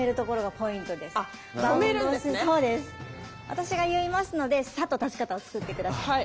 私が言いますのでサッと立ち方を作って下さい。